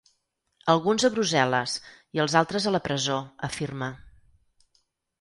Alguns a Brussel·les i els altres a la presó, afirma.